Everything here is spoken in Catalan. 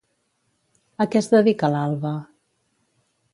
A què es dedica l'Alba?